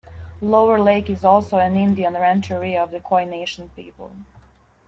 Lower Lake is also an Indian rancheria of the Koi Nation people.